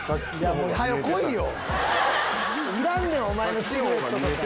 いらんねんおまえのシルエット。